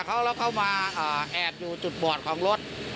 แล้วเขามาแอบอยู่จุดบอดของรถ